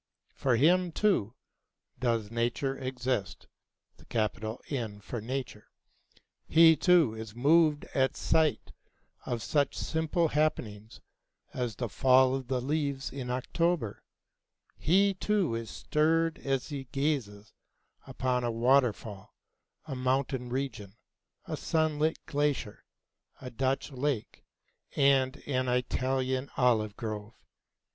For him too does Nature exist; he too is moved at sight of such simple happenings as the fall of the leaves in October; he too is stirred as he gazes upon a waterfall, a mountain region, a sunlit glacier, a Dutch lake, and an Italian olive grove.